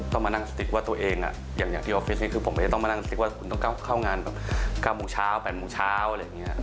ต้องมานั่งสติกว่าตัวเองอย่างที่ออฟฟิศนี่คือผมก็จะต้องมานั่งซิกว่าคุณต้องเข้างานแบบ๙โมงเช้า๘โมงเช้าอะไรอย่างนี้